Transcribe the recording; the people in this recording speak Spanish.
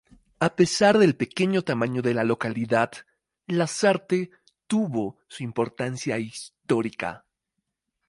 A pesar del pequeño tamaño de la localidad, Lasarte tuvo su importancia histórica.